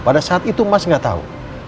pada saat itu mas gak tau